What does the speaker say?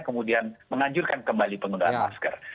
kemudian menganjurkan kembali penggunaan masker